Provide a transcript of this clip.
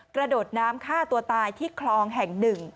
กระโดดน้ำฆ่าตัวตายที่คลองแห่งหนึ่ง